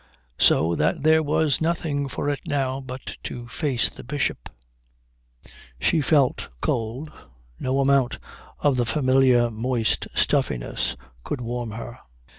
So that there was nothing for it now but to face the Bishop. She felt cold. No amount of the familiar moist stuffiness could warm her.